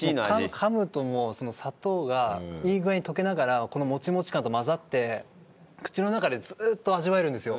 かむともう砂糖がいい具合に溶けながらこのモチモチ感と混ざって口の中でずーっと味わえるんですよ。